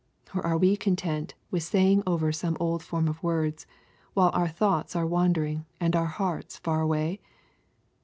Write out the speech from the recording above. — Or are we content with saying over some old form of words, while our thoughts are wander ing, and our hearts far away